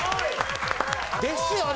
ですよね。